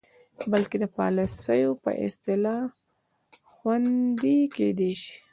بلکې د پالسیو په اصلاح خوندې کیدلې شي.